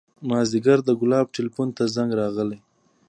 مازديګر د ګلاب ټېلفون ته زنګ راغى.